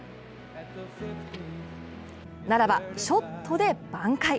ならば、ショットで挽回。